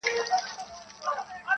• خره به ټوله ورځ په شا وړله بارونه -